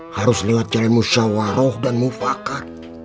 harus lewat jalan musyawaroh dan mufakat